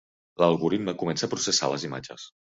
L'algorisme comença a processar les imatges.